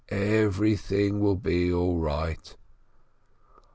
Every thing will be all right